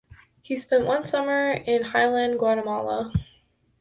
He spent one summer in highland Guatemala.